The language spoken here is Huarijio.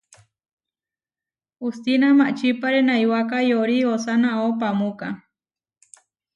Hustína mačipáre naiwáka yorí osanáo paamúka.